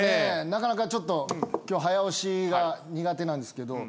なかなかちょっと今日早押しが苦手なんですけど。